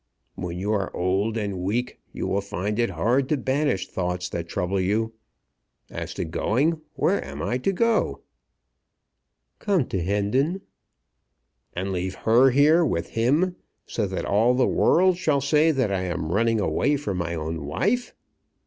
"When you are old and weak you will find it hard to banish thoughts that trouble you. As to going, where am I to go to?" "Come to Hendon." "And leave her here with him, so that all the world shall say that I am running away from my own wife?